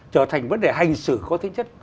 trở thành vấn đề hành xử có tính chất